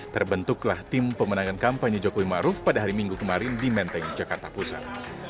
terbentuklah tim pemenangan kampanye jokowi maruf pada hari minggu kemarin di menteng jakarta pusat